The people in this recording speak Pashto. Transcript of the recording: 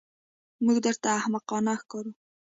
موږ درته احمقان ښکارو.